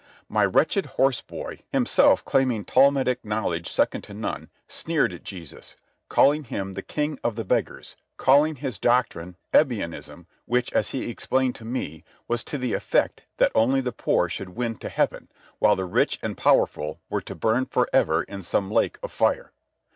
My wretched horse boy, himself claiming Talmudic knowledge second to none, sneered at Jesus, calling him the king of the beggars, calling his doctrine Ebionism, which, as he explained to me, was to the effect that only the poor should win to heaven, while the rich and powerful were to burn for ever in some lake of fire.